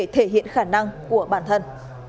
để thể hiện khả năng của bản thân